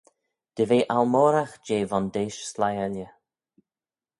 Dy ve almoragh jeh vondeish sleih elley.